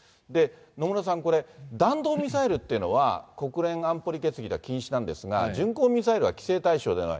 野村さん、これ、弾道ミサイルっていうのは、国連安保理決議では禁止なんですが、巡航ミサイルは規制対象ではない。